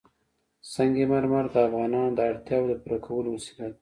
سنگ مرمر د افغانانو د اړتیاوو د پوره کولو وسیله ده.